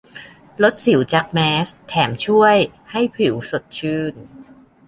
ลดสิวจากแมสก์ แถมช่วยให้ผิวสดชื่น